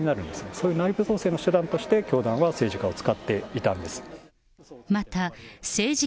そういう内部統制の手段として、教団は政治家を使っていたんです。